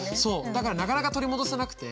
だからなかなか取り戻せなくて。